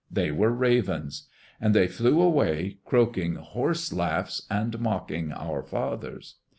They were ravens. And they flew away croaking hoarse laughs and mocking our fathers.